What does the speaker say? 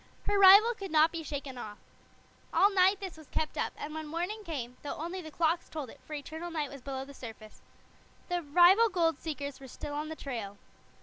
Her rival could not be shaken off. All night this was kept up, and when morning came, though only the clocks told it, for eternal night was below the surface, the rival gold seekers were still on the trail.